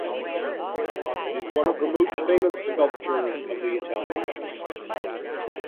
The bust is one of the most famous sculptures of the Italian Renaissance.